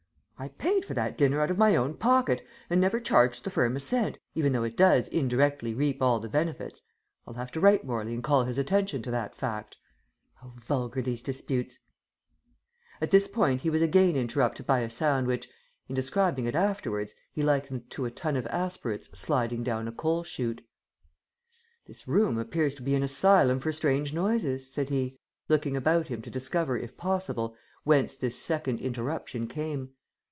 "I paid for that dinner out of my own pocket, and never charged the firm a cent, even though it does indirectly reap all the benefits. I'll have to write Morley and call his attention to that fact. How vulgar these disputes " At this point he was again interrupted by a sound which, in describing it afterwards, he likened to a ton of aspirates sliding down a coal chute. "This room appears to be an asylum for strange noises," said he, looking about him to discover, if possible, whence this second interruption came.